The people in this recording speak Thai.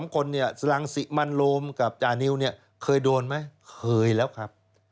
๒๓คนนี่สลังศิมัณฑ์โรมกับจานิวเคยโดนไหมเคยแล้วครับ